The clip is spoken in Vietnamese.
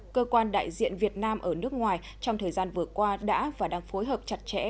cơ quan đại diện việt nam ở nước ngoài trong thời gian vừa qua đã và đang phối hợp chặt chẽ